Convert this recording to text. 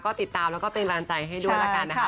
ก็ติดตามแล้วก็เป็นกำลังใจให้ด้วยละกันนะคะ